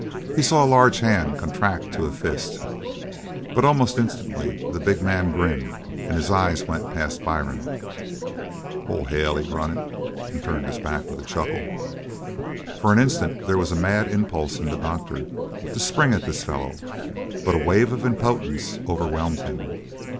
He saw a large hand contract to a fist, but almost instantly the big man grinned, and his eyes went past Byrne. "Oh, hell!" he grunted, and turned his back with a chuckle. For an instant there was a mad impulse in the doctor to spring at this fellow but a wave of impotence overwhelmed him.